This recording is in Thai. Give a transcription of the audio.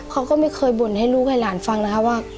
เขาก็ไม่เคยบ่นให้ลูกให้หลานฟังนะคะว่า